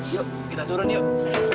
yuk kita turun yuk